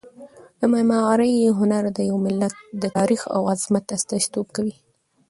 د معمارۍ هنر د یو ملت د تاریخ او عظمت استازیتوب کوي.